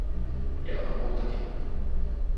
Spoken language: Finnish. Ja on muutakin.